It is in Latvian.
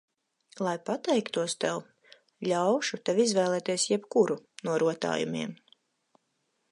Lai pateiktos tev, ļaušu tev izvēlēties jebkuru no rotājumiem.